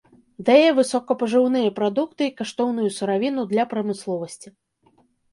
Дае высокапажыўныя прадукты і каштоўную сыравіну для прамысловасці.